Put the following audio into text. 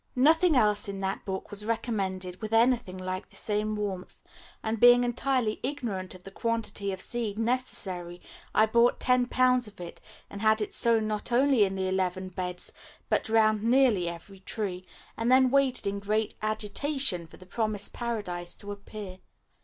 Nothing else in that book was recommended with anything like the same warmth, and being entirely ignorant of the quantity of seed necessary, I bought ten pounds of it and had it sown not only in the eleven beds but round nearly every tree, and then waited in great agitation for the promised paradise to appear.